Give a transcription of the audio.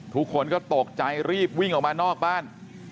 ทุกคนก็ตกใจรีบวิ่งออกมานอกบ้าน